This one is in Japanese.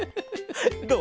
どう？